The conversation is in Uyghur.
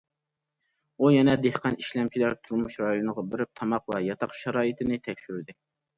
ئۇ يەنە دېھقان ئىشلەمچىلەر تۇرمۇش رايونىغا بېرىپ تاماق ۋە ياتاق شارائىتىنى تەكشۈردى.